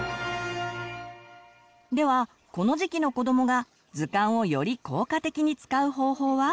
ではこの時期の子どもが図鑑をより効果的に使う方法は？